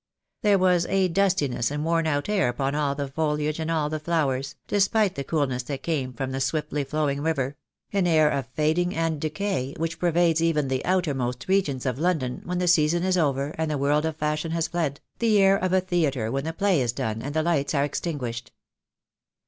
There was a dustiness and worn out air upon all the foliage and all the flowers, despite the coolness that came from the swiftly flowing river — an air of fading and decay which pervades even the outermost regions of London when the season is over and the world of fashion has fled — the air of a theatre when the play is done and the lights are extinguished.